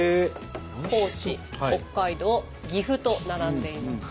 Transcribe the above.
高知北海道岐阜と並んでいます。